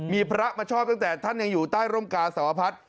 มีพระมาชอบตั้งแต่ท่านยังอยู่ใต้ร่มกาสวพัฒน์